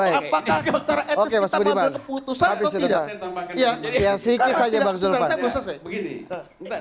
apakah secara etis kita mengambil keputusan atau tidak